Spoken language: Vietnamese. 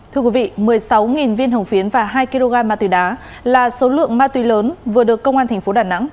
thưa quý vị một mươi sáu viên hồng phiến và hai kg ma túy đá là số lượng ma túy lớn vừa được công an tp đà nẵng